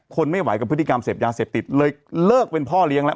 ทนไม่ไหวกับพฤติกรรมเสพยาเสพติดเลยเลิกเป็นพ่อเลี้ยงแล้ว